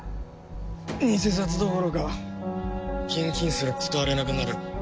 偽札どころか現金すら使われなくなる。